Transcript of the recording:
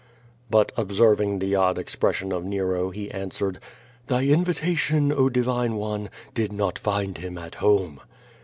But ob serving the odd expression of Nero, he answered: Thy invitation, oh, divine one, did not find him at home."